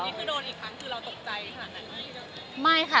ตอนนี้คือโดนอีกครั้งคือเราตกใจขนาดนั้นหรือเปล่า